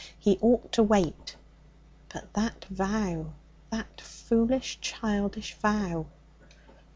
He ought to wait. But that vow! That foolish, childish vow!